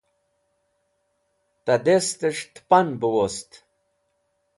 ta dest'esh tpan b wost